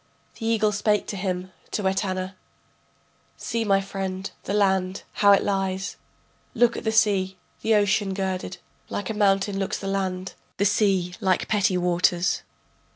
The eagle spake to him, to Etana: See my friend, the land, how it lies, Look at the sea, the ocean girded, Like a mountain looks the land, the sea like petty waters.